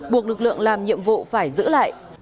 buộc lực lượng làm nhiệm vụ phải giữ lại